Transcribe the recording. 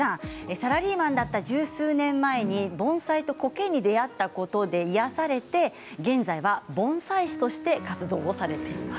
サラリーマンだった十数年前に盆栽とコケに出会ったことで癒やされ現在は盆栽士として活動されています。